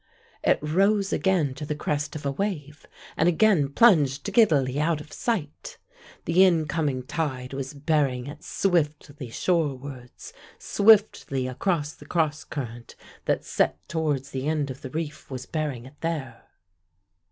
It rose again to the crest of a wave and again plunged giddily out of sight. The incoming tide was bearing it swiftly shorewards, swiftly also the cross current that set towards the end of the reef was bearing it there.